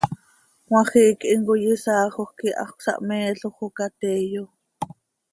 Cmajiic himcoi isaajoj quih hax cösahmeeloj oo ca teeyo.